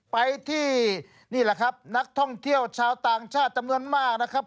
ไปที่นี่แหละครับนักท่องเที่ยวชาวต่างชาติจำนวนมากนะครับ